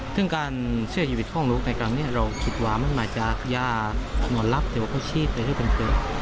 ซึ่งการเชื่อชีวิตของรู้ในกลางนี้เราคิดว่ามันมาจากย่าหมอนรับแต่ว่าผู้ชีพเลยที่เป็นเกิด